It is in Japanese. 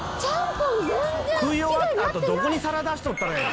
「食い終わったあとどこに皿出しとったらええねん」